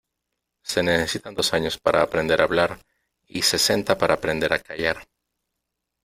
Se necesitan dos años para aprender a hablar y sesenta para aprender a callar.